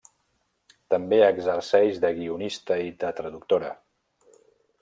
També exerceix de guionista i de traductora.